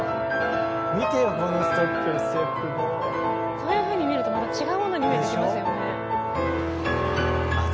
そういうふうに見るとまた違うものに見えてきますよね。